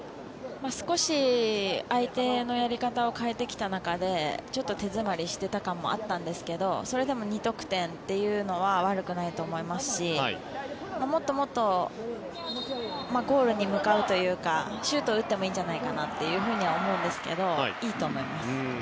少し相手のやり方を変えてきた中でちょっと手詰まりしていた感もあったんですけどそれでも２得点というのは悪くないと思いますしもっともっとゴールに向かうというかシュートを打ってもいいんじゃないかなとは思うんですけどいいと思います。